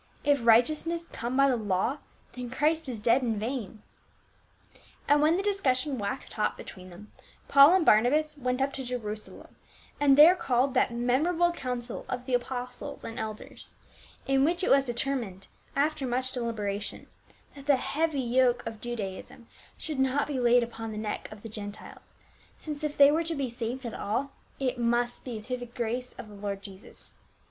If righteousness come by the law, then Chri.st is dead in vain." And when the discussion waxed hot between them, Paul and Barnabas went up to Jerusalem and there called that memorable council of the apostles and elders, in which it was determined, after much delibera tion, that the hea\y yoke of Judaism should not be laid upon the neck of the Gentiles, since if they were to be saved at all it must be through the grace of the FROM JER USALEM TO GA LA TIA . 31 1 Lord Jesus.